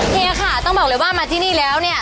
เฮียค่ะต้องบอกเลยว่ามาที่นี่แล้วเนี่ย